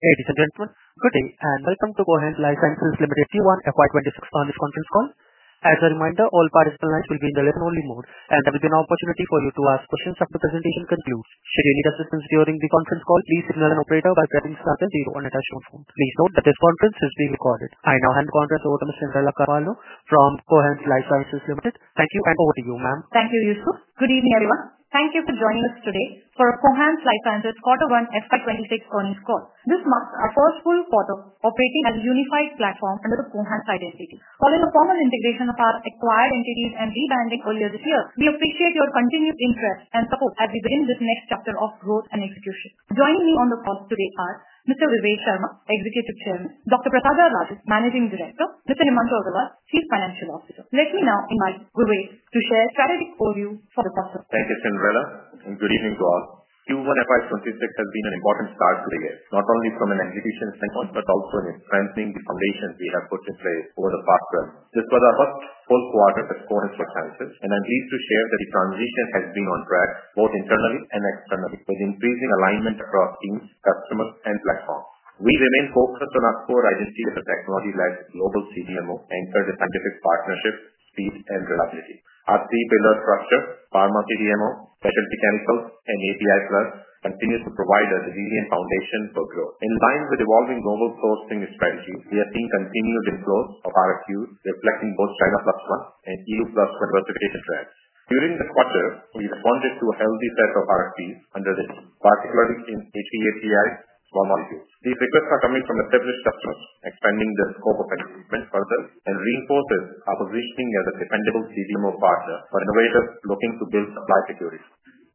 This is a test run. Welcome to Cohance Lifesciences Limited Q1 FY 2026 Earnings Conference Call. As a reminder, all participants will be in the listen-only mode, and there will be no opportunity for you to ask questions after the presentation is concluded. Should you need assistance during the conference call, please email an operator by pressing star zero on your touchtone phone. Please note that this conference is being recorded. I now hand the conference over to Ms. Cyndrella Carvalho from Cohance Lifesciences Limited. Thank you, and over to you, ma'am. Thank you, Yusuf. Good evening, everyone. Thank you for joining us today for Cohance Lifesciences Quarter One FY 2026 Conference Call. This month, our first full portal operating as a unified platform under the Cohance title state. Following the formal integration of our acquired entities and rebranding earlier this year, we appreciate your continued interest and support as we begin this next chapter of growth and execution. Joining me on the call today are Mr. Vivek Sharma, Executive Chairman, Dr. Prasada Raju, Managing Director, and Mr. Himanshu Agarwal, Chief Financial Officer. Let me now invite Vivek to share a shared overview for the customer. Thank you, Cyndrella. Good evening to all. Q1 FY 2026 has been an important start to the year, not only from an execution standpoint but also from strengthening the foundations we have put in place over the past year. This was our first full quarter of Cohance Lifesciences, and I'm pleased to share that the transition has been on track, both internally and externally, with increasing alignment across teams, customers, and platforms. We remain focused on our core identity with the technology-led global CDMO and enter the tactical partnerships, speed, and reliability. Our three-pillar structure, pharma CDMO, specialty chemicals, and API Plus, continues to provide a resilient foundation for growth. In line with evolving global core team strategy, we have seen continued growth of RFQs, reflecting both China's platform and E.U.'s platform's multiple interactions. During this quarter, we responded to a healthy set of RFQs under the team, particularly in API/CI 112. These requests are coming from established customers, expanding the scope of their equipment further and reinforcing our positioning as a dependable CDMO partner for innovators looking to build supply security.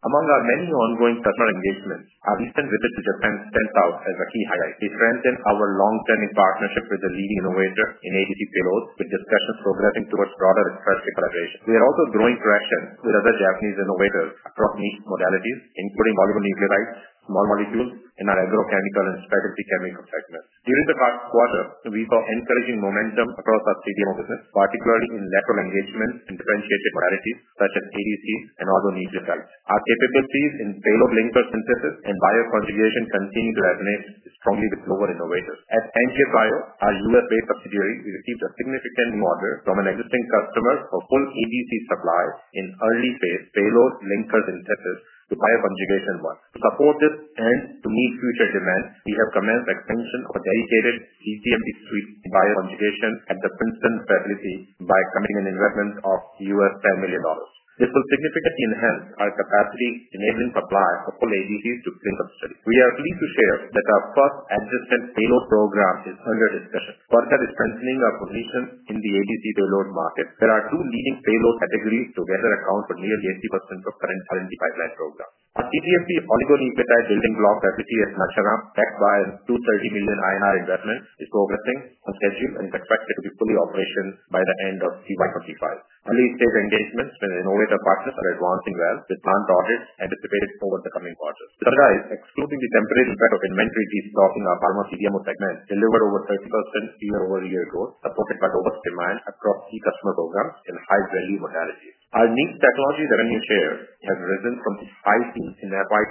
Among our many ongoing partner engagements, our recent visit to Japan stands out as a key highlight. We strengthened our long-term partnership with the leading innovators in ADCs, with discussions progressing towards broader express recognition. We are also growing interactions with other Japanese innovators across niche modalities, including oligonucleotides, small molecules, and our agrochemical and specialty chemicals partners. During the past quarter, we saw encouraging momentum across our CDMO business, particularly in lateral engagements and differentiated modalities such as ADCs and organoids. Our capabilities in payload linker synthesis and bioconjugation continue to resonate strongly with global innovators. At NBE Bio, our U.S.-based subsidiary, we received a significant new order from an existing customer for full ADC supplies in early-phase payload linker synthesis to bioconjugation one. To support this and to meet future demand, we have commenced the expansion of a dedicated ECME suite in bioconjugation at the Princeton facility by committing an investment of $10 million. This will significantly enhance our capacity, enabling supply of full ADCs to clinical studies. We are pleased to share that our first existing payload program is under discussion, further strengthening our position in the ADC payload market. There are two leading payload categories to bear account for nearly 80% of currently finalized programs. Our PTFP oligonucleotide building block, FPT-S MAXARA, backed by its 230 million INR investment, is progressing on schedule and expected to be fully operational by the end of Q1 2025. Relationship engagements with innovator partners are advancing well, with planned orders anticipated for the coming quarter. Otherwise, excluding the temporary impact of inventory destocking in our pharma CDMO segment, we delivered over 30% year-over-year growth supported by robust demand across key customer programs in five value modalities. Our new technology revenue share has risen from the spike in FY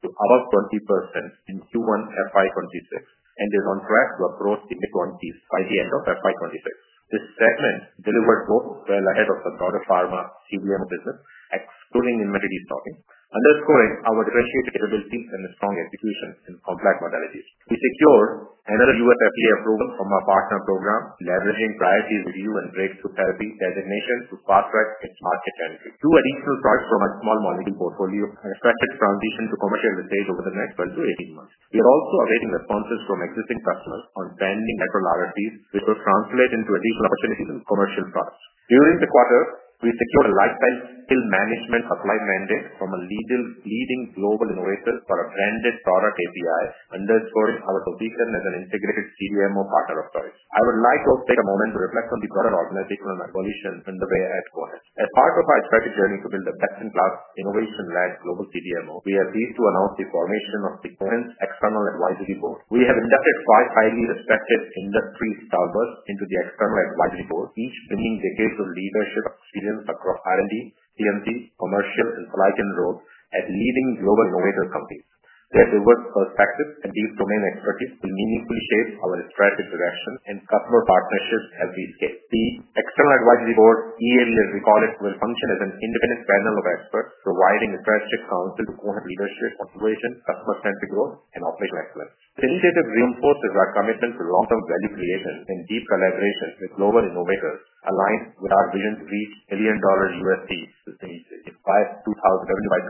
2025 to over 20% in Q1 FY 2026 and is on track to approach the mid-20% by the end of FY 2026. This segment delivered growth well ahead of the broader pharma CDMO business, excluding inventory destocking, underscoring our differentiated capabilities and strong execution in complex modalities. We secured another U.S. FDA approval from our partner program, leveraging priority review and breakthrough therapy designations to fast-track its market entry. Two additional products from our small molecule portfolio are expected to transition to commercial retail over the next 12-18 months. We are also awaiting responses from existing customers on branding and reliability, which will translate into additional opportunities in commercial products. During the quarter, we secured a lifetime skill management supply mandate from a leading global innovator for a branded product API, underscoring our position as an integrated CDMO partner of choice. I would like to take a moment to reflect on the broader organizational evolution underway at Cohance. As part of our expected journey to build a best-in-class innovation-led global CDMO, we are pleased to announce the formation of the Cohance External Advisory Board. We have inducted five highly respected industry stars into the External Advisory Board, each bringing decades of leadership experience across R&D, CMC, commercial, and supply chain roles at leading global innovator companies. Their diverse perspectives and deep domain expertise will meaningfully shape our strategic direction and customer partnerships as we shape. The External Advisory Board, EN as we call it, will function as an independent panel of experts providing a trusted council to Cohance leadership, motivation, customer-centric growth, and operational excellence. The initiative reinforces our commitment to long-term value creation and deep collaboration with global innovators, aligned with our vision to reach $1 billion to finish its FY 2020 revenue by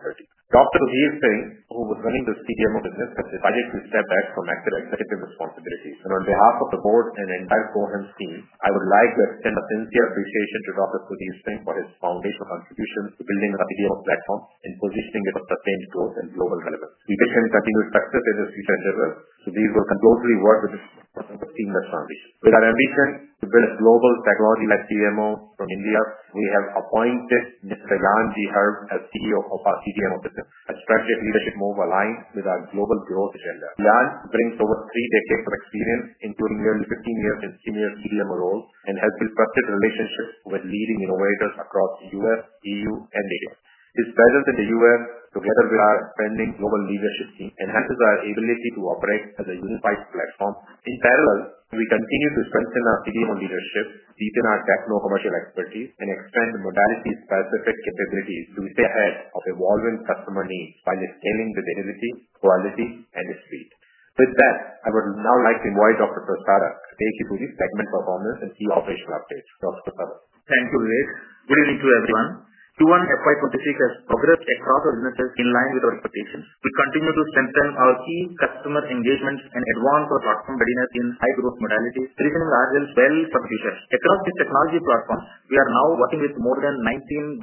2030. Dr. Sudhir Singh, who was running the CDMO business, has decided to step back from active executive responsibilities. On behalf of the board and the entire Cohance team, I would like to extend a sincere appreciation to Dr. Sudhir Singh for his foundational contributions to building our CDMO platform and positioning it for sustained growth and global relevance. We wish him continued success in his future endeavors, and he will continuously work with his team and family. With our ambition to build a global technology-led CDMO in India, we have appointed Mr. Yann D'Herve as CEO of our CDMO business, a strategic leadership move aligned with our global growth agenda. Yann brings over 30 years of experience, including nearly 15 years in senior CDMO roles, and has constructed relationships with leading innovators across the U.S., E.U., and Asia. His presence in the UN, together with our expanding global leadership team, enhances our ability to operate as a unified platform. In parallel, we continue to strengthen our CDMO leadership, deepen our techno-commercial expertise, and expand the modality-specific capabilities to stay ahead of evolving customer needs by scaling with agility, quality, and speed. With that, I would now like to invite Dr. Prasada to take you through this segment of our honors and key operational updates. Dr. Prasada. Thank you, Vivek. Good evening to everyone. Q1 FY 2026 has progressed across our limits in line with our expectations. We continue to strengthen our key customer engagements and advance our platform readiness in high-growth modalities, reaching large and 10 subdivisions. Across this technology platform, we are now working with more than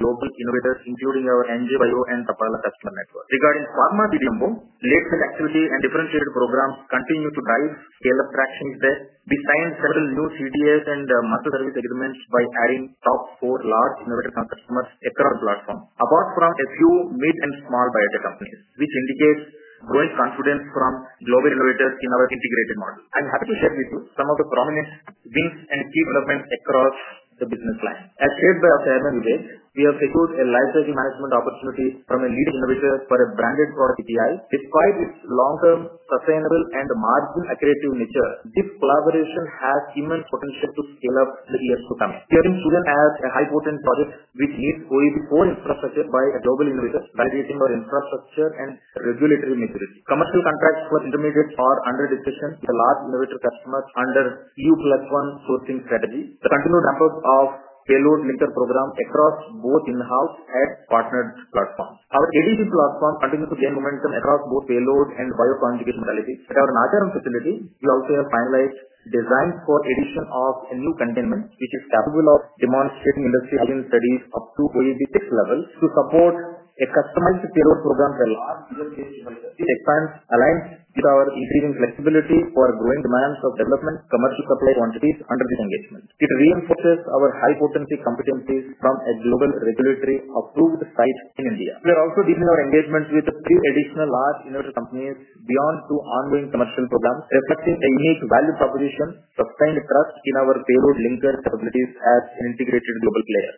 19 global innovators, including our NBE Bio and Upperton customer network. Regarding pharma CDMO, Lakes is actually a differentiated program that continues to drive scale-up traction today. We span several new CTAs and massive service agreements by adding top four large innovator customers across our platform, apart from a few mid and small biotech companies, which indicates growing confidence from global innovators in our integrated model. I'm happy to share with you some of the prominent wins and key developments across the business line. As shared by our Chairman, Vivek, we have secured a licensing management opportunity from a leading innovator for a branded product API. Despite its long-term sustainability and market-accretive nature, this collaboration has immense potential to scale up in the years to come. We are considered as a high-potent project which is going forward by a global innovator, validating our infrastructure and regulatory maturity. Commercial contracts for intermediates are under discussion with a large innovator customer under a new platform sourcing strategy. A continued effort of payload linker programs across both in-house and partnered platforms. Our ADC platform continues to gain momentum across both payload and bioconjugation modalities. At our Nacharam facility, we also have finalized designs for the addition of a new containment, which is capable of demonstrating industry-having studies up to OEB 6 levels to support a customized payload program for a large U.S.-based innovator. This expansion aligns with our increasing flexibility for growing demands of development commercial supply quantities under this engagement. It reinforces our high-potency competitiveness from a global regulatory-approved site in India. We are also deepening our engagements with a few additional large innovator companies beyond two ongoing commercial programs, which is a unique value proposition to strengthen trust in our payload linker capabilities as integrated.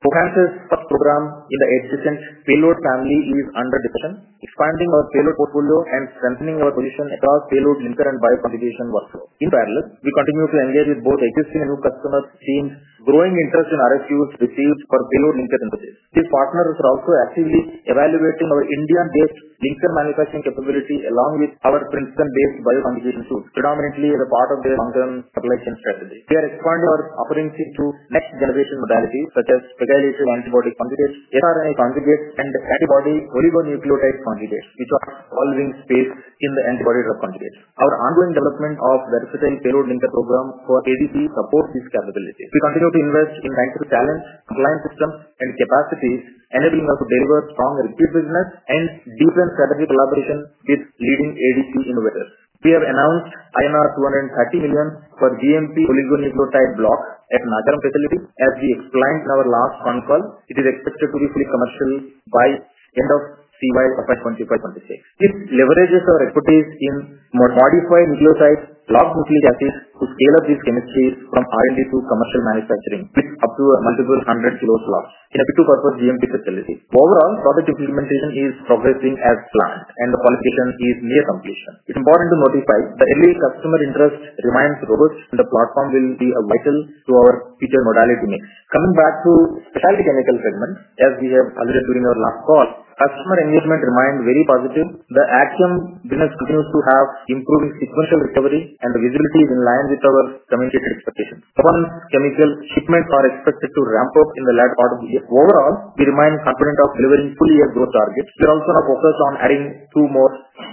Cohance's program in the existing payload family is under discussion, expanding our payload portfolio and strengthening our position across payload linker and bioconjugation workflow. In parallel, we continue to engage with both existing and new customers' teams, growing interest in RFQs received for payload linker interface. These partners are also actively evaluating our India-based linker manufacturing capabilities, along with our Princeton-based bioconjugation tools, predominantly as a part of their long-term supply chain strategy. They are expanding our offerings to next-generation modalities, such as cryoelective antibody quantitatives, mRNA quantitatives, and antibody oligonucleotide quantitatives, which are a polymerase-based antibody drug quantitatives. Our ongoing development of a verification payload linker program for ADCs supports this capability. We continue to invest in digital talent, compliance systems, and capacities NADML could deliver from a repeat business and deepen strategic collaboration with leading ADC innovators. We have announced INR 230 million for the GMP oligonucleotide building block at Nacharam facility. As we explained in our last phone call, it is expected to receive commercial by the end of CY FY 2025-2026. This leverages our expertise in modified nucleosides, block hosting testing to scale up these chemistries from R&D to commercial manufacturing up to multiple hundreds kilos blocks in a pick-to-purpose GMP facility. Overall, product implementation is progressing as planned, and the qualification is near completion. It's important to notify that early customer interest remains robust, and the platform will be vital to our future modality needs. Coming back to the specialty chemicals segment, as we have alluded during our last call, customer engagement remains very positive. The action is continuing to have improving sequential recovery, and the usability is in line with our communicated expectations. Pharma chemical shipments are expected to ramp up in the latter part of the year. Overall, we remain confident of delivering fully on growth targets. We are also focused on adding two more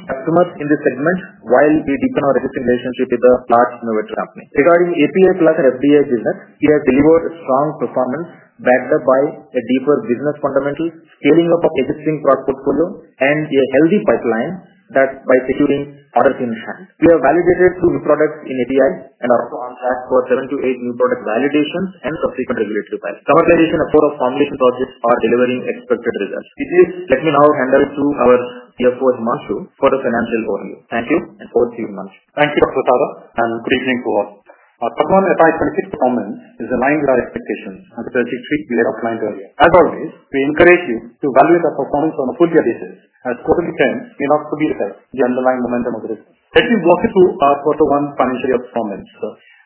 customers in this segment while we deepen our existing relationship with a large innovator company. Regarding API/FDA business, we have delivered a strong performance backed up by a deeper business fundamentals, scaling up of existing product portfolio, and a healthy pipeline that's by securing orders in hand. We have validated two new products in API and are also on track for seven to eight new product validations and subsequent regulations. The summarization of four pharmaceutical projects is delivering expected results. Please let me now hand over to our CFO, Himanshu, for the financial overview. Thank you, and over to you, Himanshu. Thank you, Dr. Prasada, and good evening to all. Our Q1 FY 2026 comment is aligned with our expectations and strategically applied earlier. As always, we encourage you to evaluate our performance on a full-year basis and totally depend, if not fully recovered, the underlying momentum of the business. Let me walk you through our Q1 financial performance.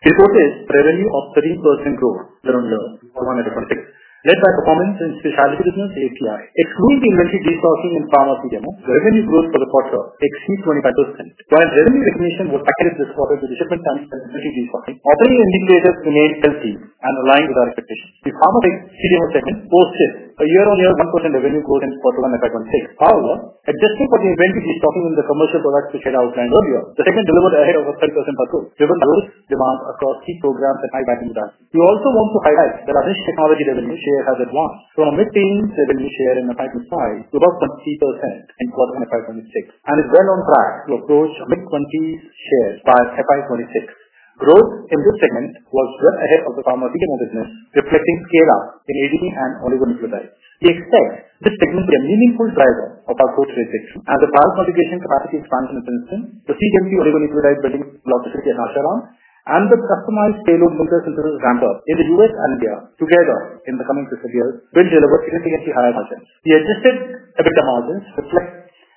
We quoted a revenue of 30% growth around Q1 and Q2. Let's add performance in specialty chemicals to Q1. Excluding the inventory destocking in pharma CDMO, revenue growth for the quarter exceeded 25%. While revenue recognition was accurate this quarter with a shifting trend to inventory destocking, operating indicators remained healthy and aligned with our expectations. The pharma CDMO segment posted a year-over-year 1% revenue growth in Q1 FY 2026. However, adjusting for the inventory destocking in the commercial products which we had outlined earlier, the segment delivered ahead of a 30% growth. Growth demands across key programs and high-value brands. We also want to highlight that our niche technology revenue share has advanced, from a mid-teen revenue share in the highest style to about 20% in Q1 FY 2026. It went on high to approach mid-20% share by FY 2026. Growth in this segment was well ahead of the pharma CDMO business, reflecting scale-up in ADCs and oligonucleotides. We expect this segment to be a meaningful driver of our growth trajectory. The bioconjugation capacity expansion is ensuing. The GMP oligonucleotide building block facility in Nacharam and the customized payload linker synthesis ramp-up in the U.S. and India together in the coming two to three years will deliver significantly higher contents. We adjusted EBITDA margins to push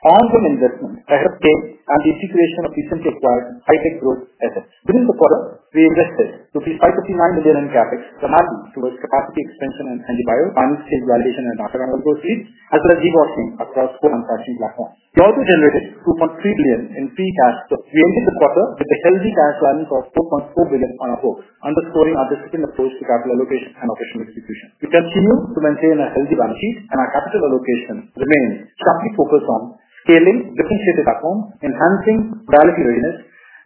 ongoing investments, direct payout, and the integration of incentives while hybrid growth efforts. During the quarter, we adjusted to reflect the 539 million in CapEx, the money towards capacity expansion and NBE Bio financial valuation and after-hours workstreams, as the regime was seen across four unforeseen platforms. The other generated INR 2.3 billion in free cash to reopen the quarter, a healthy cash running across 2.4 billion on our books, underscoring our disciplined approach to capital allocation and operational execution. We continue to maintain a healthy balance sheet, and our capital allocation remains strongly focused on scaling differentiated platforms, enhancing modality readiness,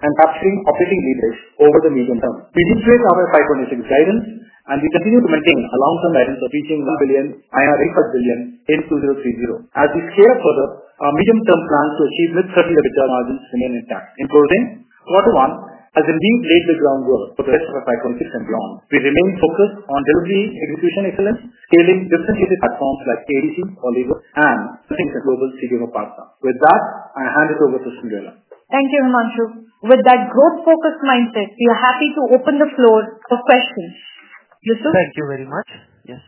and capturing operating leaders over the medium term. We maintain our FY 2026 guidance, and we continue to maintain our long-term guidance for reaching INR 1 billion EBITDA per quarter by Q2 or Q3. As we scale up further, our medium-term plans to achieve net profit and return margins remain intact. In closing, Q1 has really laid background work for the rest of our FY 2026 pipeline. We remain focused on delivering execution excellence, scaling differentiated platforms like ADC, oligo, and bringing a global CDMO platform. With that, I hand it over to Cyndrella. Thank you, Himanshu. With that growth-focused mindset, we are happy to open the floor to questions. Yusuf? Thank you very much. Yes,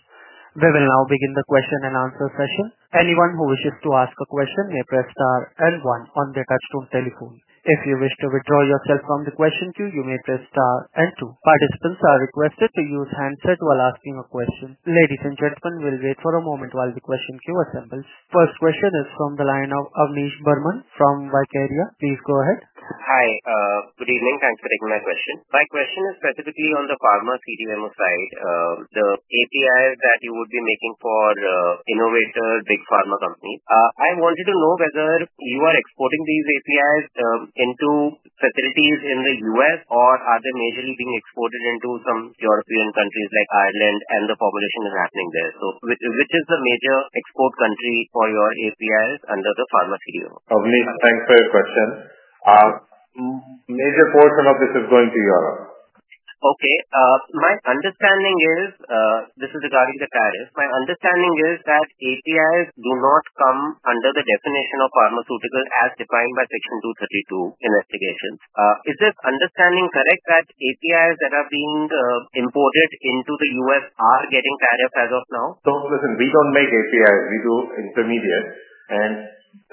we will now begin the question and answer session. Anyone who wishes to ask a question may press star and one on their touch-tone telephone. If you wish to withdraw yourself from the question queue, you may press star and two. Participants are requested to use handshake while asking a question. Ladies and gentlemen, we'll wait for a moment while the question queue assembles. First question is from the line of Avnish Burman from Vaikarya. Please go ahead. Hi. Good evening. Thanks for taking my question. My question is specifically on the pharma CDMO side. The APIs that you would be making for innovator big pharma companies, I wanted to know whether you are exporting these APIs into facilities in the U.S., or are they majorly being exported into some European countries like Ireland, and the formulation is happening there. Which is the major export country for your APIs under the pharma CDMO? Avnish, thanks for your question. A major portion of this is going to Europe. Okay. My understanding is this is regarding the tariffs. My understanding is that APIs do not come under the definition of pharmaceuticals as defined by Section 232 Investigations. Is this understanding correct that APIs that are being imported into the U.S. are getting tariffs as of now? We don't make APIs. We do intermediates, and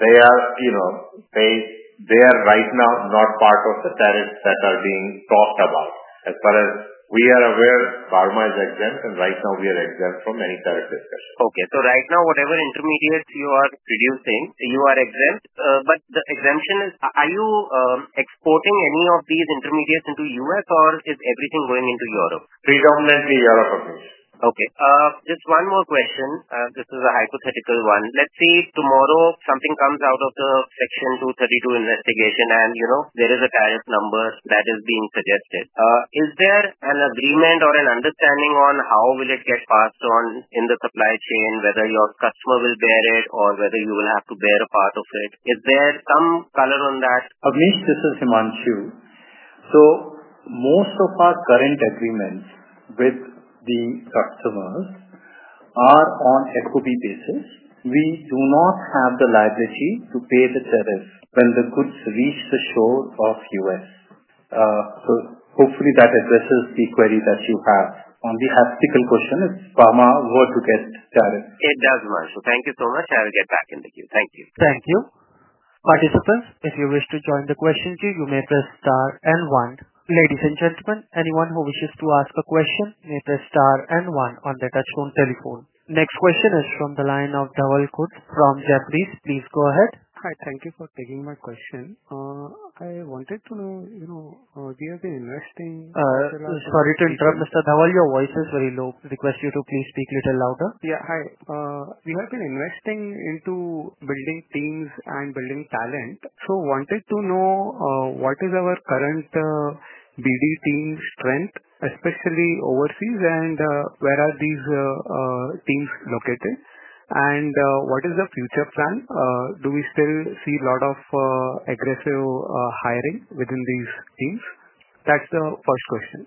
they are, you know, they are right now not part of the tariffs that are being talked about. As far as we are aware, pharma is exempt, and right now we are exempt from any tariffs. Okay. Right now, whatever intermediates you are producing, you are exempt. The exemption is, are you exporting any of these intermediates into the U.S., or is everything going into Europe? Predominantly Europe for me. Okay. Just one more question. This is a hypothetical one. Let's say tomorrow something comes out of the Section 232 Investigation, and you know there is a tariff number that is being suggested. Is there an agreement or an understanding on how it will get passed on in the supply chain, whether your customer will bear it or whether you will have to bear a part of it? Is there some color on that? Avnish, this is Himanshu. Most of our current agreements with the customers are on an SOB basis. We do not have the liability to pay the tariffs when the goods reach the shore of the U.S. Hopefully, that addresses the query that you have. Only hypothetical question is pharma work requests tariffs. It does matter. Thank you so much. I will get back in the queue. Thank you. Thank you. Participants, if you wish to join the question queue, you may press star and one. Ladies and gentlemen, anyone who wishes to ask a question may press star and one on their touch-tone telephone. Next question is from the line of Dhawal Khut from Jefferies. Please go ahead. Hi, thank you for taking my question. I wanted to know, you know, we have been investing. Sorry to interrupt, Mr. Dhawal. Your voice is very low. Request you to please speak a little louder. Yeah. Hi, we have been investing into building teams and building talent. I wanted to know, what is our current BD team strength, especially overseas, and where are these teams located? What is the future plan? Do we still see a lot of aggressive hiring within these teams? That's the first question.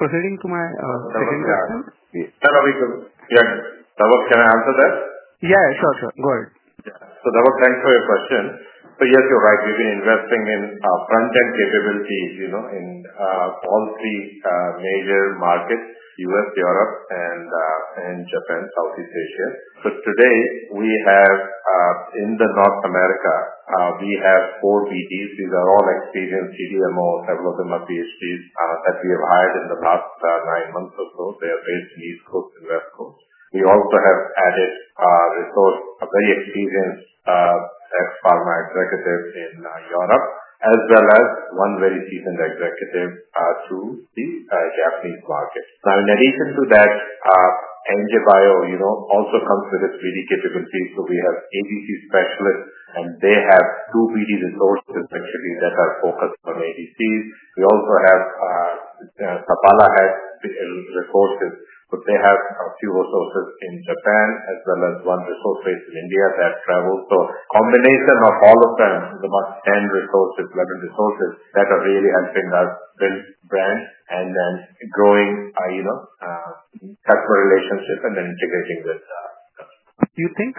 Proceeding to my second question. Sorry. Go ahead. Dhawal, can I answer that? Yeah, sure, sir. Go ahead. Thank you for your question. Yes, you're right. We've been investing in front-end capabilities in major markets: U.S., Europe, Japan, and Southeast Asia. Today, in North America, we have four VDs. These are all experienced CDMOs that go through my PhDs that we have hired in the last nine months or so. They are PhDs, postgraduates. We also have added resources, a very experienced ex-pharma executive in Europe, as well as one very seasoned executive to the Japanese market. In addition to that, NBE Bio also comes with a 3D capability. We have ADC specialists, and they have two VD resources that are focused on ADC. We also have resources in Japan, as well as one resource based in India that has traveled. A combination of all of that is about 10 resources, 11 resources that are really helping our brand and growing our customer relationship and integrating with. Do you think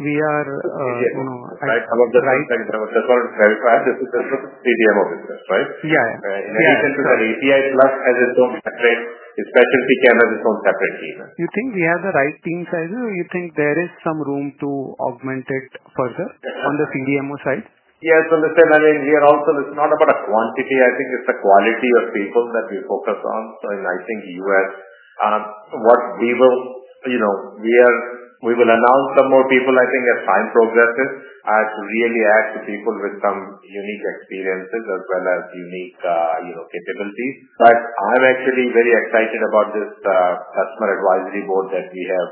we are, you know. I'm sorry. I want to clarify. This is a CDMO business, right? Yeah, yeah. In addition to the API Plus, it has its own separate specialty, kind of its own separate team. Do you think we have the right team size, or you think there is some room to augment it further on the CDMO side? Yeah. Listen, I mean, we are also not about quantity. I think it's the quality of people that we focus on. In the U.S., we will announce some more people, I think, as time progresses, to really add people with some unique experiences as well as unique capabilities. I'm actually very excited about this customer advisory board that we have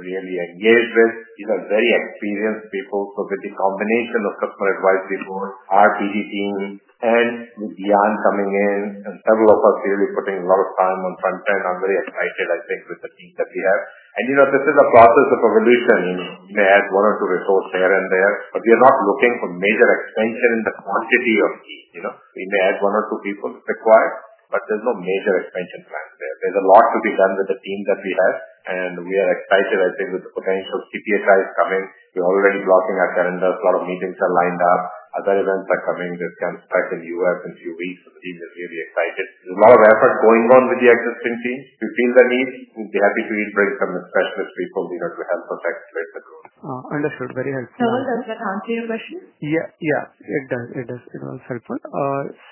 really engaged with. These are very experienced people. With the combination of the customer advisory board, our BD team, and the DR coming in, and several of us really putting a lot of time on the front end, I'm very excited, I think, with the team that we have. This is a process of evolution. We may add one or two resources here and there, but we are not looking for major expansion in the quantity of the team. We may add one or two people if required, but there's no major expansion plans there. There's a lot to be done with the team that we have, and we are excited, I think, with the potential CPI crowds coming. We're already blocking our calendar. A lot of meetings are lined up. Other events are coming that can start in the U.S. in a few weeks. The team is really excited. There's a lot of effort going on with the existing team. If we feel the need, we'd be happy to integrate some specialist people to help us accelerate the growth. Understood. Very helpful. Dhawal, does that answer your question? Yeah, it does. It was helpful.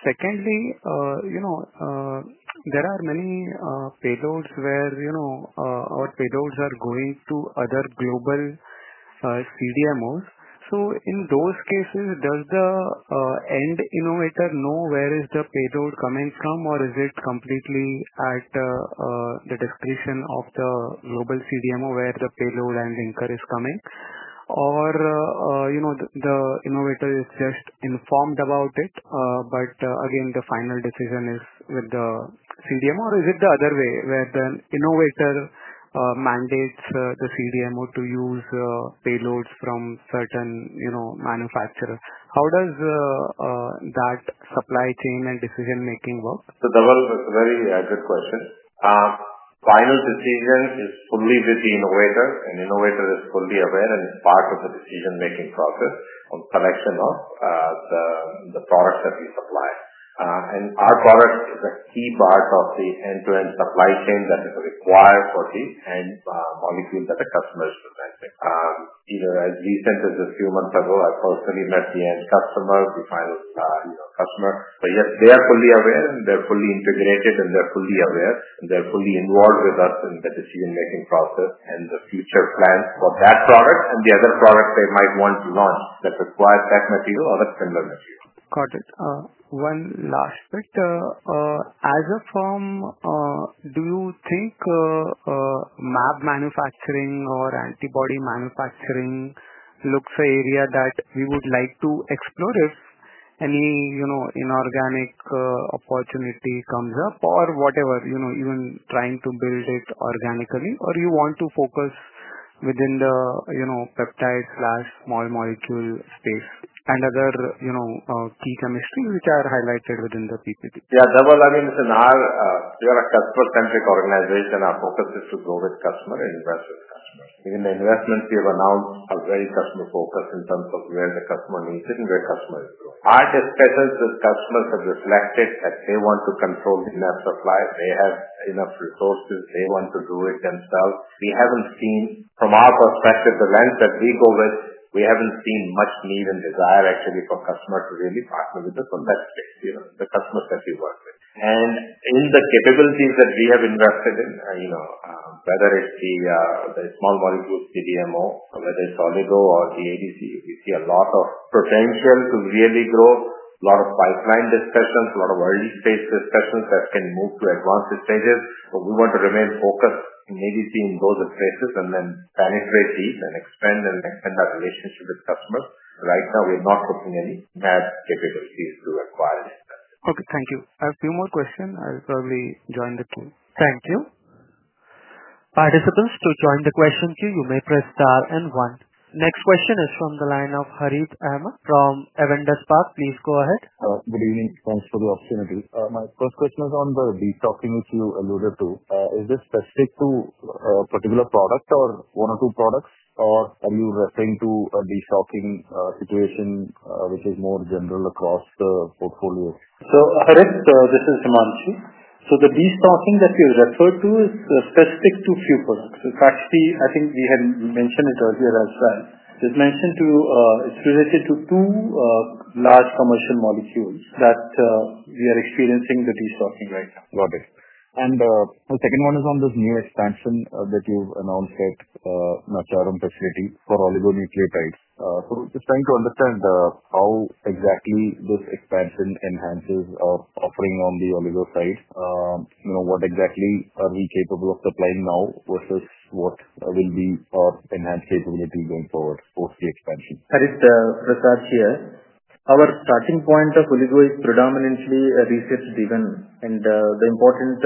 Secondly, you know, there are many payloads where, you know, our payloads are going to other global CDMOs. In those cases, does the end innovator know where the payload is coming from, or is it completely at the discretion of the global CDMO where the payload and linker is coming? Or, you know, the innovator is just informed about it, but again, the final decision is with the CDMO? Or is it the other way where the innovator mandates the CDMO to use payloads from certain, you know, manufacturers? How does that supply chain and decision-making work? That's a very good question. The final decision is only with the innovator, and the innovator is fully aware and is part of the decision-making process on selecting the products that we supply. Our product is a key part of the end-to-end supply chain that is required for the end molecule that the customer is presenting. Even as recent as a few months ago, I've heard pretty much the end customer, the final customer. Yes, they are fully aware, and they're fully integrated, and they're fully aware. They're fully involved with us in the decision-making process and the future plan for that product and the other product they might want to launch that requires that material or that similar material. Got it. One last question. As a firm, do you think MAB manufacturing or antibody manufacturing looks for an area that you would like to explore if any inorganic opportunity comes up or whatever, even trying to build it organically? Or do you want to focus within the peptide/small molecule space and other key chemistries which are highlighted within the PPP? Yeah. Dhawal, I mean, listen, we are a customer-centric organization. Our focus is to grow with customer and invest with customer. Even the investments we have announced are very customer-focused in terms of where the customer needs it and where customer is growing. Our test sessions with customers have reflected that they want to consult in our supply. They have enough resources. They want to do it themselves. We haven't seen, from our perspective, the length that we go with, we haven't seen much need and desire, actually, for customers to really partner with us on that stage, the customers that we work with. In the capabilities that we have invested in, you know, whether it's the small molecule CDMO, whether it's oligonucleotides or the ADC, we see a lot of potential to really grow. A lot of pipeline discussions, a lot of early-stage discussions that can move to advanced stages. We want to remain focused in ADC in those spaces and then penetrate these and expand and extend our relationship with customers. Right now, we're not hoping any MAB capabilities to require this. Okay. Thank you. I have a few more questions. I'll probably join the queue. Thank you. Participants, to join the question queue, you may press star and one. Next question is from the line of Harith Ahamed from Avendus Capital. Please go ahead. Good evening. Thanks for the opportunity. My first question is on the destocking, which you alluded to. Is this specific to a particular product or one or two products, or are you referring to a destocking situation which is more general across the portfolio? Harith, this is Himanshu. The destocking that you referred to is specific to a few products. In fact, I think we had mentioned it earlier as well. Just to mention, it's related to two large commercial molecules that we are experiencing the destocking right now. Got it. The second one is on this new expansion that you've announced at Nacharam facility for oligonucleotides. We're just trying to understand how exactly this expansion enhances our offering on the oligo side. You know, what exactly are we capable of supplying now versus what will be our enhanced capability going forward post the expansion? That is the requirement here. Our starting point of oligo is predominantly research-driven, and the important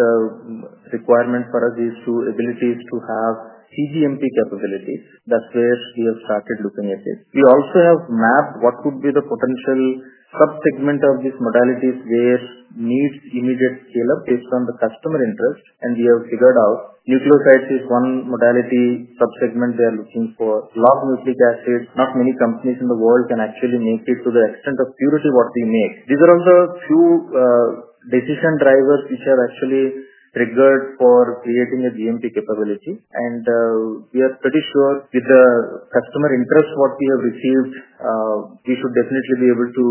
requirement for us is the ability to have CGMP capabilities. That's where we have started looking at it. We also have mapped what would be the potential subsegment of these modalities where needs immediate scale-up based on the customer interest. We have figured out nucleosides is one modality subsegment they are looking for. Long nucleic acids, not many companies in the world can actually make it to the extent of purity what they make. These are the few decision drivers which are actually triggered for creating a CGMP capability. We are pretty sure with the customer interest what we have received, we should definitely be able to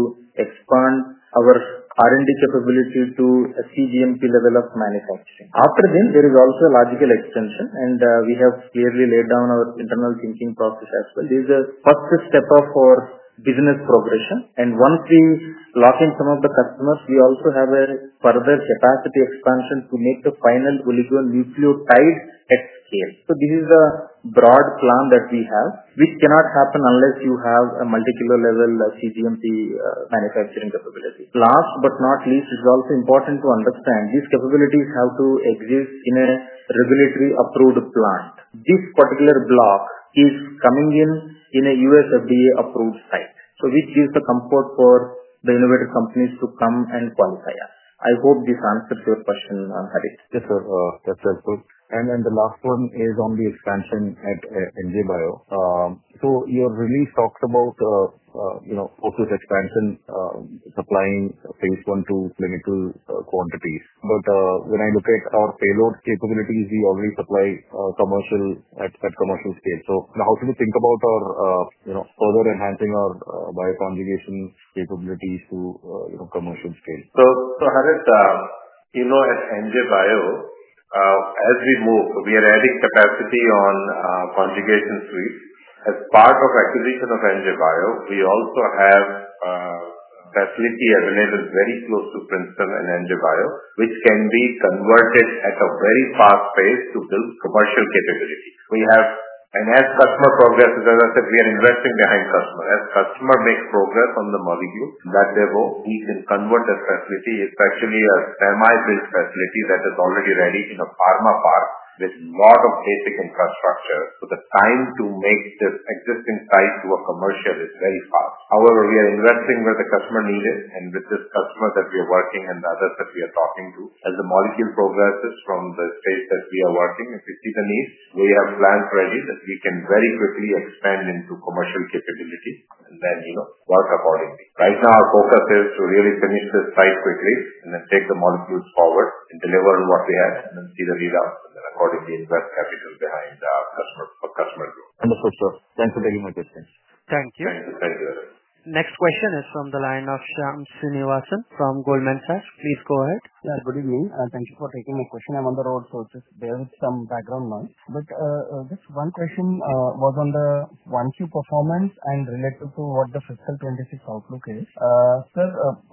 expand our R&D capability to a CGMP level of manufacturing. After then, there is also a logical extension, and we have clearly laid down our internal thinking process as well. These are the first steps of our business progression. Once we lock in some of the customers, we also have a further capacity expansion to make the final oligonucleotide at scale. This is the broad plan that we have, which cannot happen unless you have a molecular level CGMP manufacturing capability. Last but not least, it's also important to understand these capabilities have to exist in a regulatory-approved plant. This particular block is coming in in a U.S. FDA-approved site, which gives the comfort for the innovator companies to come and qualify. I hope this answers your question, Harith. Yes, sir. That's helpful. The last one is on the expansion at NBE Bio. Your release talked about, you know, post-expansion, supplying phase one to clinical quantities. When I look at our payload capabilities, we already supply commercial at commercial scale. How do you think about our, you know, further enhancing our bioconjugation capabilities to, you know, commercial scale? Harith, you know, at NBE Bio, as we move, we are adding capacity on conjugation suites. As part of the acquisition of NBE Bio, we also have a facility available very close to Princeton and NBE Bio, which can be converted at a very fast pace to build commercial capabilities. As customer progresses, as I said, we are investing behind customer. As customer makes progress on the molecule that they go, we can convert this facility, especially a stem cell-based facility that is already ready in a pharma farm with a lot of basic infrastructure. The time to make this existing site to a commercial is very fast. However, we are investing where the customer needs it. With this customer that we are working and the others that we are talking to, as the molecule progresses from the space that we are working, if we see the needs, we have plans ready that we can very quickly expand into commercial capabilities and then, you know, work accordingly. Right now, our focus is to really finish this site quickly and then take the molecules forward and deliver what we have and then see the results and then accordingly invest capital behind our customer group. Understood, sir. Thanks for taking my questions. Thank you. Thank you. Next question is from the line of Shyam Srinivasan from Goldman Sachs. Please go ahead. Good evening. Thank you for taking my question. I'm on the road, so just some background noise. Just one question was on the Q1 performance and related to what the FY 2026 outlook is.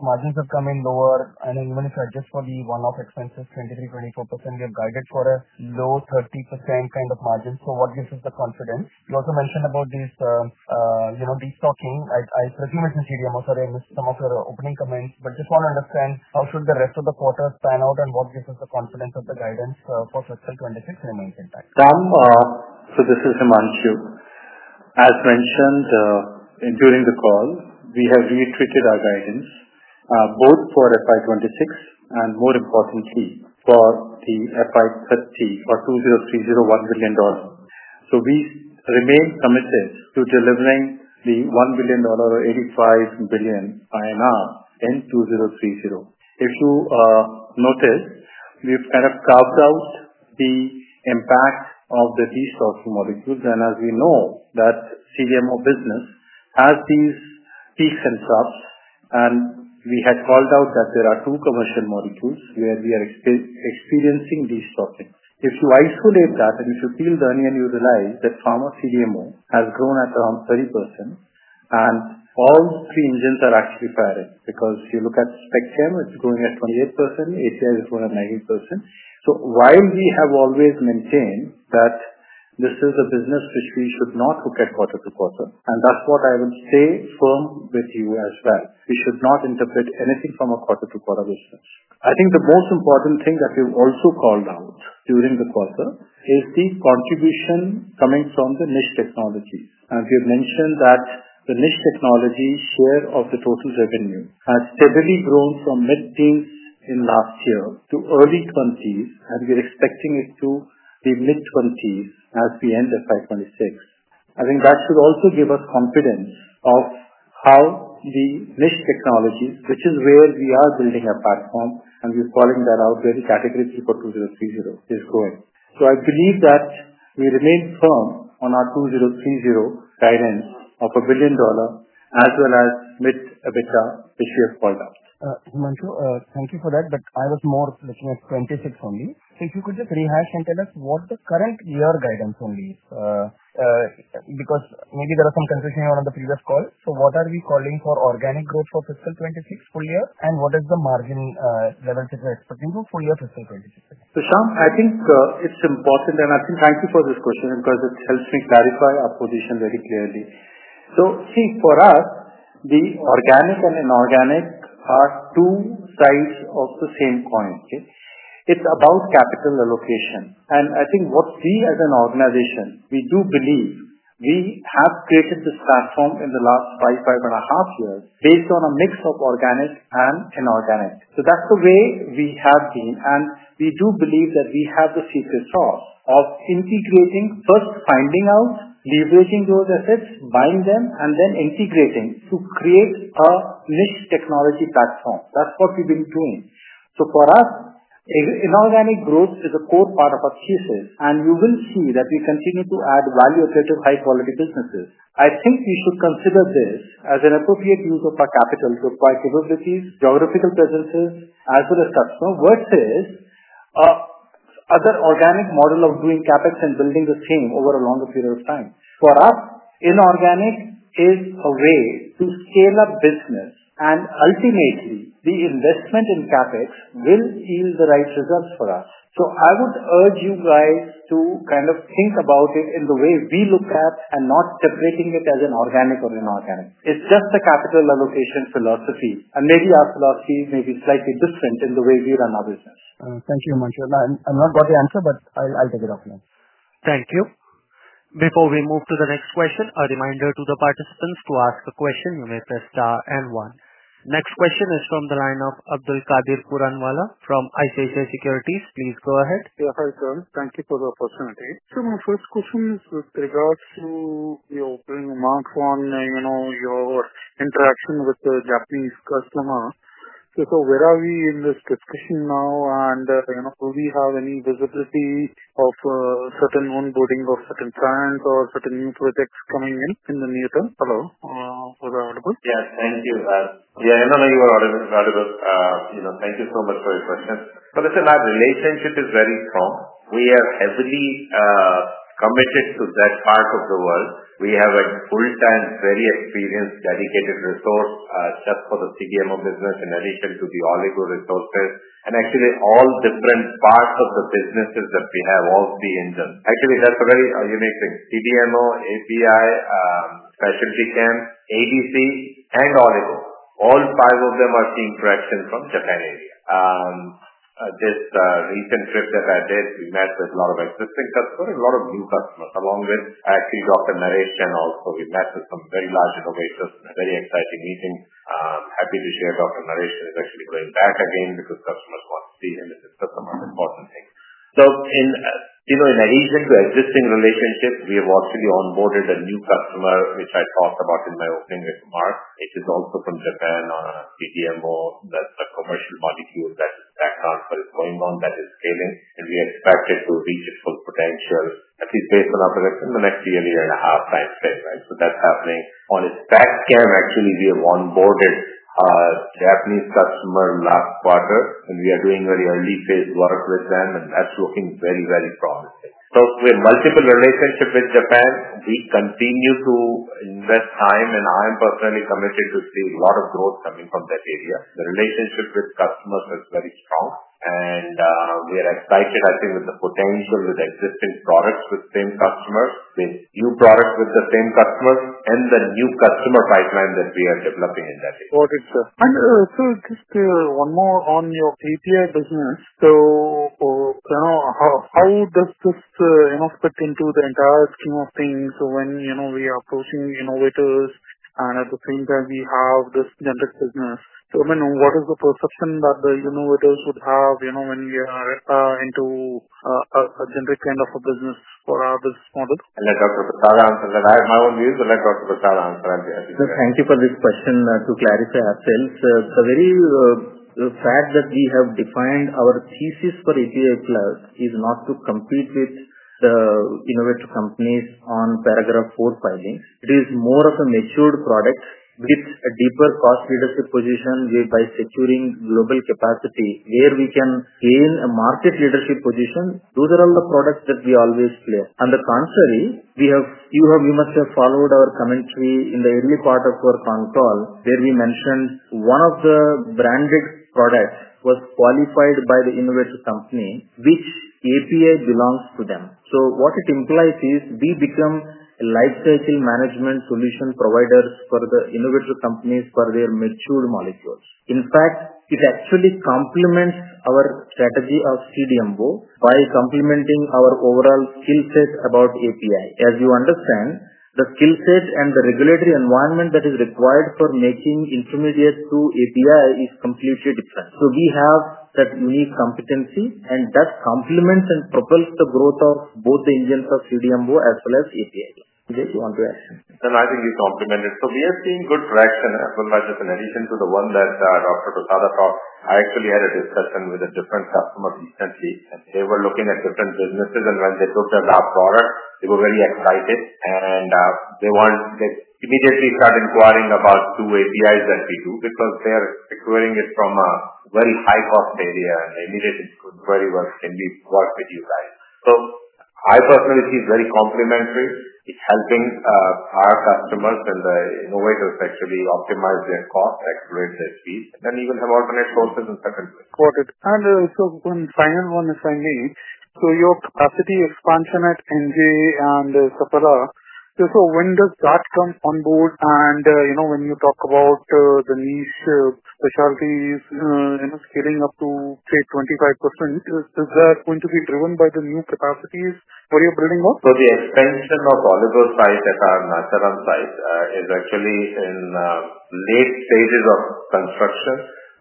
Margins are coming lower, and even if you adjust for the one-off expenses, 23%, 24%, we are guided for a low 30% kind of margin. What gives us the confidence? You also mentioned about this destocking. I personally like the CDMO. Sorry, I missed some of your opening comments. I just want to understand how should the rest of the quarter pan out and what gives us the confidence of the guidance for FY 2026. This is Himanshu. As mentioned during the call, we have retweaked our guidance, both for FY 2026 and, more importantly, for FY 2030 for $203.01 billion. We remain committed to delivering the $1 billion or 85 billion INR in 2030. If you notice, we've kind of carved out the impact of the destocking molecules. As we know, the CDMO business has these peaks and troughs. We had called out that there are two commercial molecules where we are experiencing destocking. If you isolate that and peel the onion, you realize that pharma CDMO has grown at around 30%. All three engines are actually performing because you look at [Exxon], it's growing at 28%. HS is growing at 98%. We have always maintained that this is a business which we should not look at quarter to quarter, and that's what I will say firmly with you as well. We should not interpret anything from a quarter to quarter basis. The most important thing that we've also called out during the quarter is the contribution coming from the niche technology. As we have mentioned, the niche technology share of the total revenue has steadily grown from mid-teens in last year to early 20%. We are expecting it to be mid-20% at the end of FY 2026. That should also give us confidence of how the niche technology, which is where we are building our platform, and we're calling that out very category 3 for 2030, is going. I believe that we remain firm on our 2030 guidance of a billion dollar as well as mid to bigger issues called out. Himanshu, thank you for that. I was more looking at FY 2026 only. If you could just rehash and tell us what the current year guidance only is, because maybe there was some confusion on the previous call. What are we calling for organic growth for fiscal 2026 full year? What is the margin level that we're expecting for full year fiscal 2026? I think it's important, and thank you for this question because it helps me clarify our position very clearly. For us, the organic and inorganic are two sides of the same coin. It's about capital allocation. What we as an organization believe is we have created this platform in the last five, five and a half years based on a mix of organic and inorganic. That's the way we have been. We do believe that we have the secret sauce of integrating, first finding out, leveraging those assets, buying them, and then integrating to create a niche technology platform. That's what we've been doing. For us, inorganic growth is a core part of our thesis. You will see that we continue to add value-operated high-quality businesses. I think we should consider this as an appropriate use of our capital to acquire capabilities, geographical presences, and for the customer. Worst is, other organic models of doing CapEx and building the same over a long period of time. For us, inorganic is a way to scale up business. Ultimately, the investment in CapEx will yield the right results for us. I would urge you guys to kind of think about it in the way we look at and not separating it as an organic or inorganic. It's just a capital allocation philosophy. Maybe our philosophy may be slightly different in the way we run our business. Thank you, Himanshu. I'm not got the answer, but I'll take it offline. Thank you. Before we move to the next question, a reminder to the participants to ask a question. You may press star and one. Next question is from the line of Abdulkader Puranwala from ICICI Securities. Please go ahead. Yes. Thank you for the opportunity. My first question is with regards to your brief remarks on your interaction with the Japanese customer. Where are we in this discussion now? Do we have any visibility of certain onboarding of certain clients or certain new projects coming in in the near term? Hello. Was that audible? Thank you. I don't know if you were audible. Thank you so much for your question. As in nature, since it is very strong, we are heavily committed to that part of the world. We have a full-time, very experienced, dedicated resource set for the CDMO business in addition to the oligo resources. All different parts of the businesses that we have, all the engines, that's a very unique thing. CDMO, API, FSMC, ADC, and oligo, all five of them are seeing traction from Japan and Asia. This recent trip that I did, we met with a lot of existing customers and a lot of new customers, along with Dr. Prasada Raju. We met with some very large innovators, very exciting meetings. I'm happy to share Dr. Prasada Raju is actually going back again because customers want to see him. It's a customer-important thing. In addition to the existing relationship, we have onboarded a new customer, which I talked about in my opening remarks. It is also from Japan, a CDMO. That's a commercial molecule that is backed up, but it's going on that is scaling. We expect it to reach its full potential, at least based on our prediction, in the next year, year and a half timespan. That's happening. On its back scale, we have onboarded a Japanese customer last quarter, and we are doing very early-phase work with them. That's looking very, very promising. We have multiple relationships with Japan. We continue to invest time, and I am personally committed to seeing a lot of growth coming from that area. The relationship with customers is very strong. We are excited with the potential with existing products with the same customers, with new products with the same customers, and the new customer pipeline that we are developing in that area. Got it, sir. Just one more on your API business. How does this fit into the entire scheme of things when we are approaching innovators and at the same time we have this generic business? I mean, what is the perception that the innovators would have when we are into a generic kind of a business or this model? I'll let Dr. Prasada answer that. I have my own views, but let Dr. Prasada answer and be happy to. Thank you for this question to clarify ourselves. The very fact that we have defined our thesis for API Plus is not to compete with the innovator companies on paragraph four filing. It is more of a matured product with a deeper cost leadership position, whereby securing global capacity where we can gain a market leadership position. Those are all the products that we always play. The concern is, you must have followed our commentary in the early quarter Q1 call where we mentioned one of the branded products was qualified by the innovator company, which API belongs to them. What it implies is we become a lifecycle management solution provider for the innovator companies for their mature molecules. In fact, it actually complements our strategy of CDMO by complementing our overall skill set about API. As you understand, the skill set and the regulatory environment that is required for making intermediate to API is completely different. We have that unique competency, and that complements and propels the growth of both the engines of CDMO as well as API. I just want to add that. I think you complement it. We are seeing good traction as well as in addition to the one that Dr. Prasada talked about. I actually had a discussion with a different customer recently. They were looking at different businesses. When they looked at our product, they were very excited, and they wanted to immediately start inquiring about two APIs that we do because they are acquiring it from a very high-cost area. It could very well be what you guys. Our partnership is very complementary. It's helping our customers and the innovators actually optimize their cost, accelerate their speed, and even have organized sources in the second place. Got it. One final one if I may. Your capacity expansion at Nacharam and Upperton, when does that come on board? When you talk about the niche specialties, scaling up to, say, 25%, is that going to be driven by the new capacities where you're building up? The expansion of oligonucleotide sites at our Nacharam site is actually in the late stages of construction.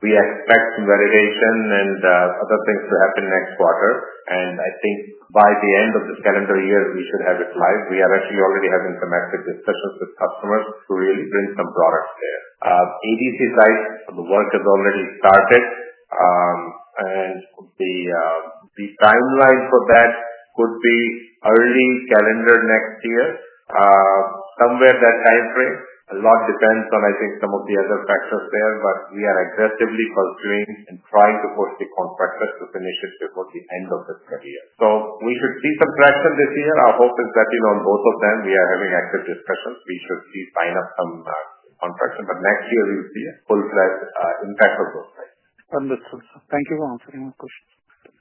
We expect validation and other things to happen next quarter. I think by the end of this calendar year, we should have it live. We are actually already having some active discussions with customers to really bring some products there. ADC sites, the work has already started, and the timeline for that could be early in calendar next year, somewhere in that timeframe. A lot depends on, I think, some of the other factors there. We are aggressively pursuing and trying to push the contractors to finish it before the end of the period. We should see some traction this year. Our hope is that is on both of them. We are having exit discussions. We should see sign up some contractions, but next year is the full-fledged impact of both. Thank you for answering my question.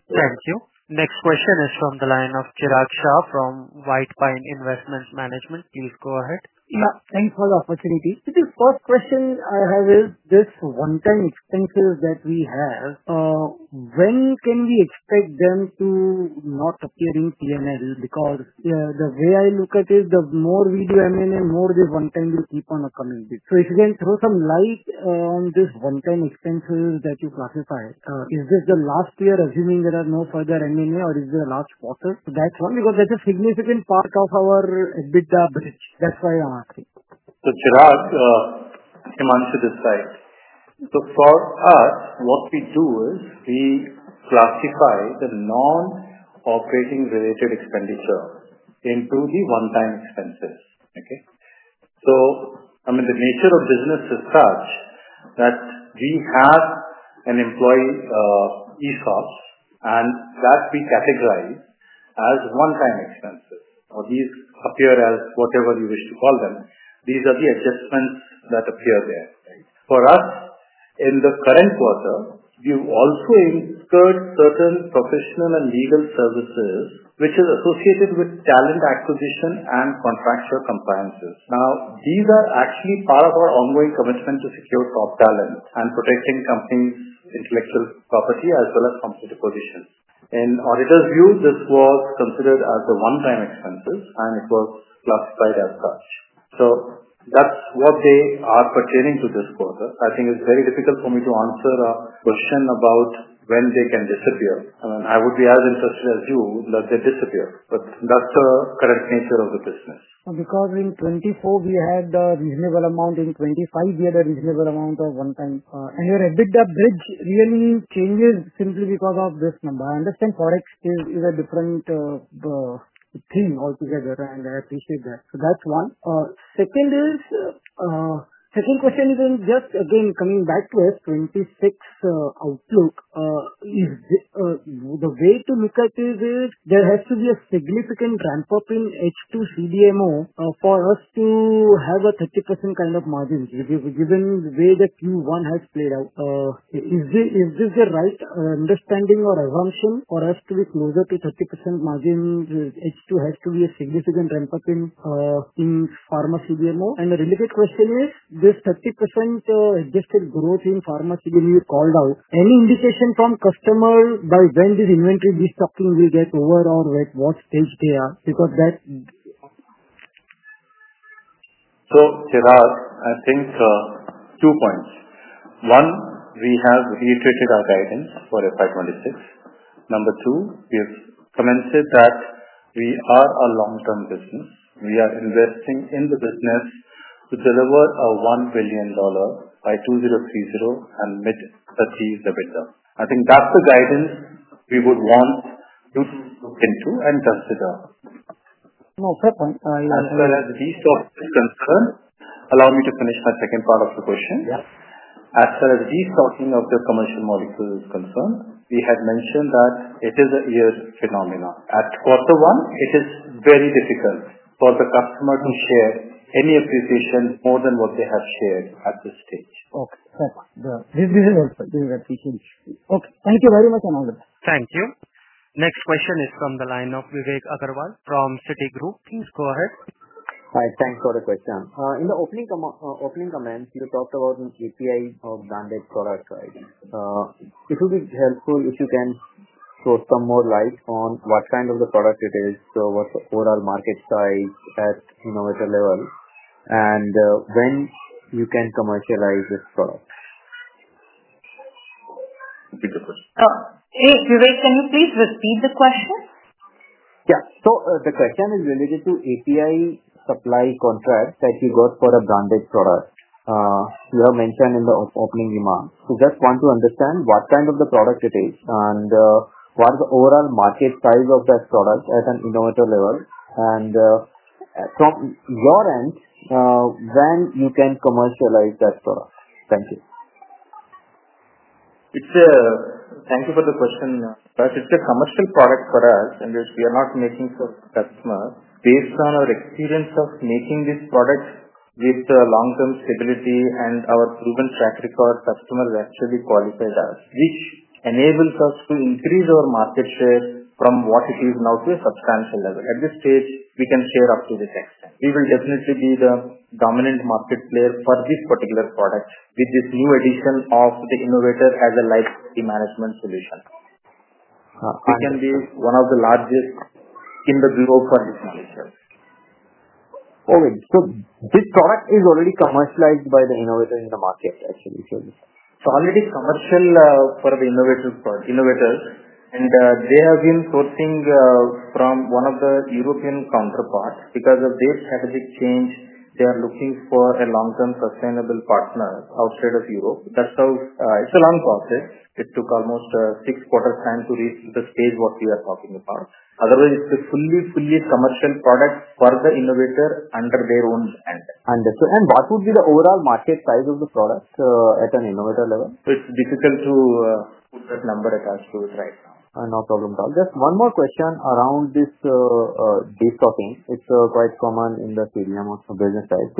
Thank you. Next question is from the line of Chirag Shah from White Pine Investment Management. Please go ahead. Yes. Thanks for the opportunity. The first question I have is this one-time expenses that we have. When can we expect them to not appear in P&L? Because the way I look at it, the more we do M&A, the more the one-time will keep on coming. If you can throw some light on this one-time expenses that you classified, is this the last year, assuming there are no further M&A, or is there a last quarter? That's one because that's a significant part of our EBITDA bridge. That's why I'm asking. Chirag, Himanshu this side. For us, what we do is we classify the non-operating related expenditure into the one-time expenses. The nature of business is such that we have an employee in exports and that we categorize as one-time expenses. These appear as whatever you wish to call them. These are the adjustments that appear there. For us, in the current quarter, we've also inserted certain professional and legal services, which is associated with talent acquisition and contractual compliances. These are actually part of our ongoing commitment to secure top talent and protecting the company's intellectual property as well as competitive position. In the auditor's view, this was considered as a one-time expense, and it was classified as such. That's what they are pertaining to this quarter. I think it's very difficult for me to answer a question about when they can disappear. I would be as interested as you to let them disappear. That's the current nature of the business. Because in 2024, we had a reasonable amount. In 2025, we had a reasonable amount of one-time. Your EBITDA bridge really changes simply because of this number. I understand Forex is a different thing altogether, and I appreciate that. That's one. Second question is, just again coming back to FY 2026 outlook, is the way to look at it is there has to be a significant ramp-up in H2 CDMO for us to have a 30% kind of margin given the way that Q1 has played out. Is this the right understanding or assumption, or has to be closer to 30% margin? H2 has to be a significant ramp-up in pharma CDMO. The relevant question is, this 30% adjusted growth in pharma CDMO you called out, any indication from customers by when this inventory destocking will get over or at what stage they are? Because that. Chirag, I think, two points. One, we have reiterated our guidance for FY 2026. Number two is commencing that we are a long-term business. We are investing in the business to deliver a $1 billion by 2030 and meet 30% EBITDA. I think that's the guidance we would want to look into and consider. No, sir. I understand. As inventory destocking is concerned, allow me to finish my second part of the question. Yeah. As far as destocking of the commercial molecule is concerned, we had mentioned that it is a year phenomenon. At quarter one, it is very difficult for the customer to share any appreciation more than what they have shared at this stage. Okay. That's very helpful. Thank you. Okay. Thank you very much. Thank you. Next question is from the line of Vivek Agrawal from Citigroup. Please go ahead. Hi. Thanks for the question. In the opening comments, you talked about an API or branded product, right? It would be helpful if you can throw some more light on what kind of the product it is, what is the overall market size at innovator level, and when you can commercialize this product. Repeat the question. Hey, Vivek, can you please repeat the question? Yes. The question is related to the API supply contract that we got for a branded product API. You have mentioned in the opening remarks. We just want to understand what kind of product it is, what is the overall market size of this product at an innovator level, and from your end, when you can commercialize this product? Thank you. Thank you for the question. It's a commercial product for us, and we are not making for customers. Based on our experience of making these products with long-term stability and our proven track record, customers actually qualified us, which enables us to increase our market share from what it is now to a substantial level. At this stage, we can scale up to this extent. We will definitely be the dominant market player for this particular product with this new addition of the innovator as a lifecycle management solution. We can be one of the largest in the bureau for this molecule. Okay. This product is already commercialized by the innovator in the market, actually. It's already commercial for the innovators, and they have been sourcing from one of the European counterparts. Because of their strategic change, they are looking for a long-term sustainable partner outside of Europe. That's how it's a long process. It took almost six quarters' time to reach the stage we are talking about. Otherwise, it's a fully, fully commercial product for the innovator under their own brand. Understood. What would be the overall market size of the product at an innovator level? It's difficult to put that number attached to it right now. No problem at all. Just one more question around this destocking. It's quite common in the CDMO business side.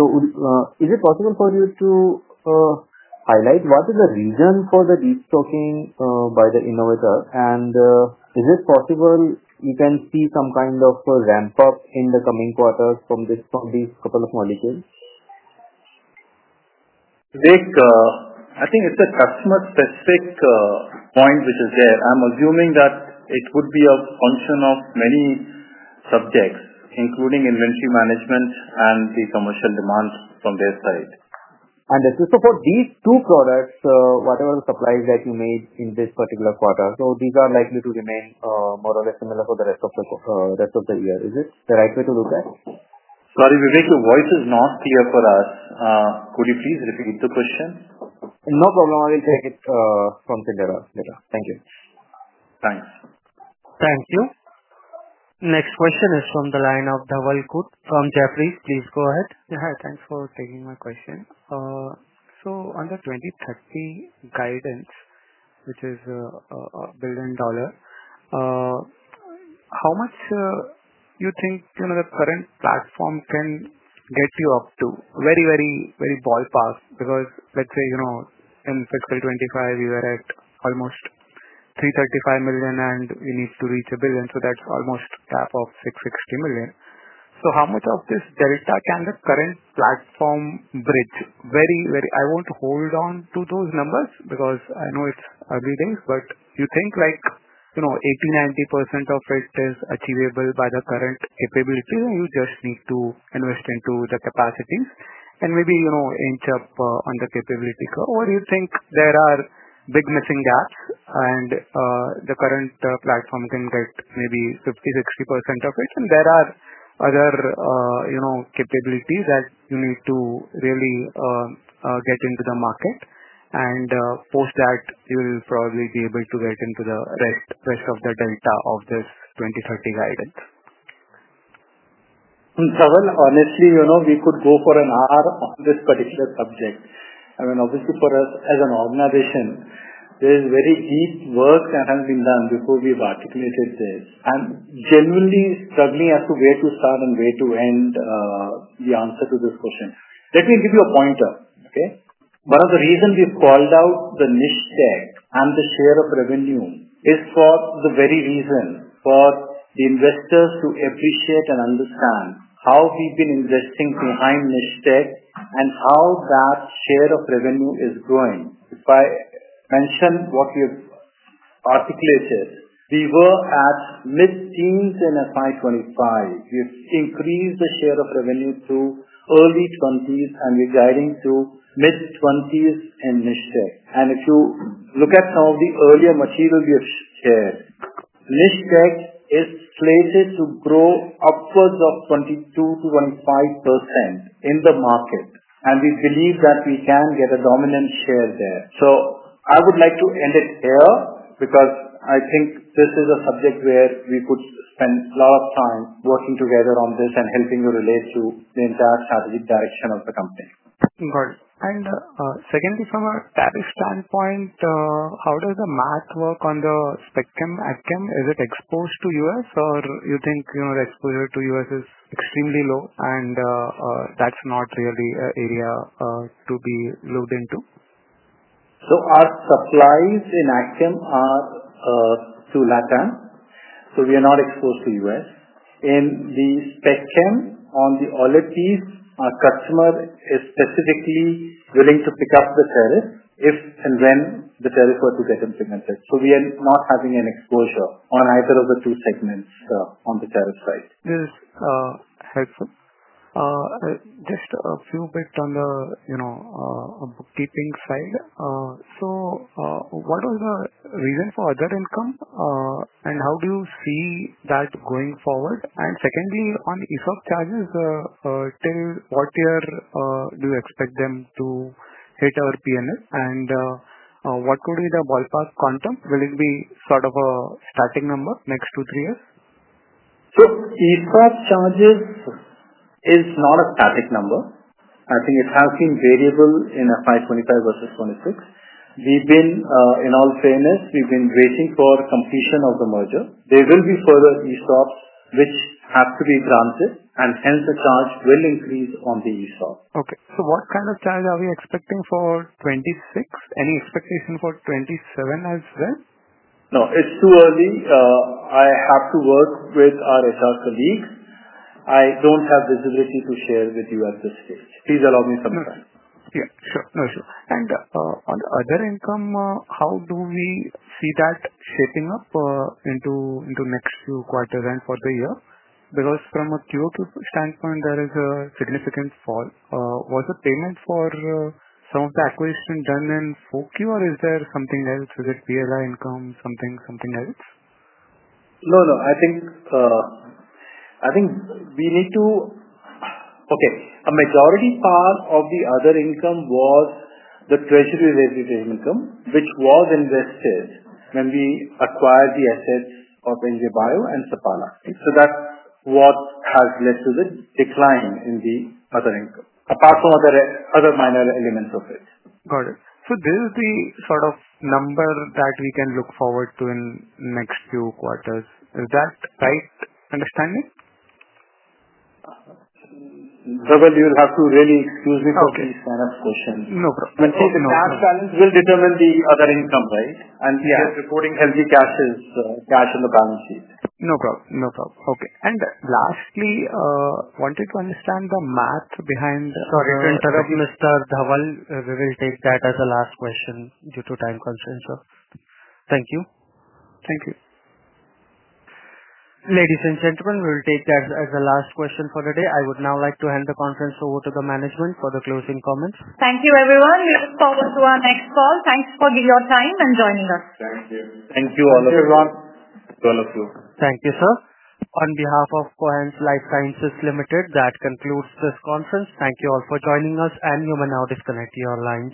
Is it possible for you to highlight what is the reason for the destocking by the innovator? Is it possible you can see some kind of ramp-up in the coming quarters from these couple of molecules? Vivek, I think it's a customer-specific point which is there. I'm assuming that it would be an option of many subjects, including inventory management and the commercial demands from their side. Understood. For these two products, whatever the supplies that you made in this particular quarter, these are likely to remain more or less similar for the rest of the year. Is it the right way to look at? Sorry, Vivek, your voice is not clear for us. Could you please repeat the question? No problem. I will take it from Cyndrella. Thank you. Thanks. Thank you. Next question is from the line of Dhawal Khut from Jefferies. Please go ahead. Hi. Thanks for taking my question. On the 2030 guidance, which is a billion dollars, how much do you think the current platform can get you up to? Very, very, very ballpark, because let's say in FY 2025, we were at almost $335 million, and you need to reach a billion. That's almost a delta of $665 million. How much of this delta can the current platform bridge? Very, very, I won't hold on to those numbers because I know it's ugly things, but do you think like 80%-90% of it is achievable by the current capabilities, and you just need to invest into the capacities and maybe inch up on the capabilities? Or do you think there are big missing gaps, and the current platform can get maybe 50%-60% of it, and there are other capabilities that you need to really get into the market? Post that, you will probably be able to get into the rest of the delta of this 2030 guidance. Honestly, you know we could go for an hour on this particular subject. Obviously, for us as an organization, there is very deep work that has been done before we've articulated this. Genuinely, struggling as to where to start and where to end the answer to this question. Let me give you a pointer, okay? One of the reasons we've called out the niche tech and the share of revenue is for the very reason for the investors to appreciate and understand how we've been investing behind niche tech and how that share of revenue is growing. If I mention what we've articulated, we were at mid-teens on FY 2025. We've increased the share of revenue to early 20%, and we're guiding to mid-20% in niche tech. If you look at some of the earlier materials we've shared, niche tech is slated to grow upwards of 22%-25% in the market. We believe that we can get a dominant share there. I would like to end it there because I think this is a subject where we could spend a lot of time working together on this and helping to relate to the entire strategic direction of the company. Got it. Secondly, from a [Spanish] standpoint, how does the math work on the Spectrum action? Is it exposed to the U.S., or you think the exposure to the U.S. is extremely low and that's not really an area to be looked into? Our supplies in Axiom are through LATAM, so we are not exposed to the U.S. In the Spectrum, on the oligo, our customer is specifically willing to pick up the tariff if and when the tariff were to get implemented. We are not having an exposure on either of the two segments on the tariff side. That is helpful. Just a few bits on the, you know, a bookkeeping side. What was the reason for other income, and how do you see that going forward? Secondly, on ESOP charges, still, what year do you expect them to hit our P&L, and what would be the ballpark quantum? Will it be sort of a static number next two, three years? ESOP charges is not a static number. I think it has been variable in FY 2025 versus 2026. In all fairness, we've been waiting for completion of the merger. There will be further ESOPs which have to be granted, and hence the charge will increase on the ESOPs. Okay. What kind of charge are we expecting for 2026? Any expectation for 2027 as well? No, it's too early. I have to work with our HR colleagues. I don't have visibility to share with you at this stage. Please allow me some time. Sure. On the other income, how do we see that shaping up into the next few quarters and for the year? From a Q2 standpoint, there is a significant fall. Was the payment for some of the acquisitions done in Q4, or is there something else? Was it PLI income, something else? I think we need to, okay, a majority part of the other income was the treasury residual income, which was invested when we acquired the assets of NBE Bio and Sapala. That's what has led to the decline in the other income, apart from other minor elements of it. Got it. This is the sort of number that we can look forward to in the next few quarters. Is that right understanding? You'll have to really excuse me for these kind of questions. No problem. I mean, that balance will determine the other income, right? This reporting helps you cash in the balance sheet. No problem. Okay. Lastly, I wanted to understand the math behind. Sorry to interrupt, Mr. Dhawal. We will take that as the last question due to time constraints. Thank you. Thank you. Ladies and gentlemen, we will take that as the last question for the day. I would now like to hand the conference over to the management for the closing comments. Thank you, everyone. We look forward to our next call. Thanks for giving your time and joining us. Thank you, all of you. Thank you, all of you. Thank you, sir. On behalf of Cohance Lifesciences Limited, that concludes this conference. Thank you all for joining us, and you may now disconnect your lines.